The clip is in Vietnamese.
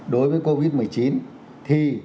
đối với covid một mươi chín thì